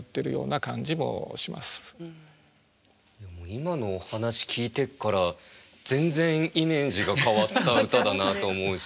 今のお話聞いてから全然イメージが変わった歌だなと思うし。